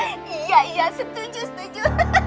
iya iya setuju setuju